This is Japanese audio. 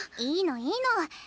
いいのいいの。